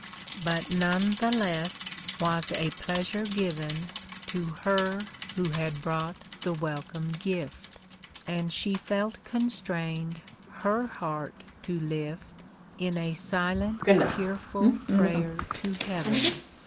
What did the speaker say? But none the less was a pleasure given To licr who had brought the welcome gift, And she felt constrained her heart to lift In a silent, tearful prayer to heaven.